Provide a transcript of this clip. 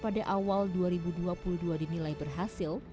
pada awal dua ribu dua puluh dua dinilai berhasil